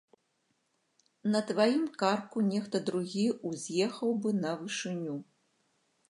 На тваім карку нехта другі ўз'ехаў бы на вышыню.